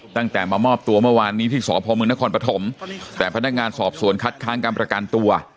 ตั้งแต่มามอบตัวเมื่อวานนี้ที่สพมนครปฐมแต่พนักงานสอบสวนคัดค้างการประกันตัว